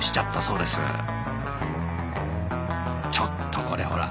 ちょっとこれほら。